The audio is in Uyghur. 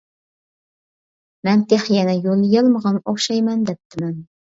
مەن تېخى يەنە يوللىيالمىغان ئوخشايمەن دەپتىمەن.